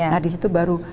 nah disitu baru